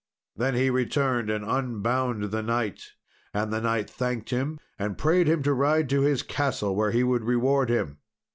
Then he returned and unbound the knight. And the knight thanked him, and prayed him to ride to his castle, where he would reward him.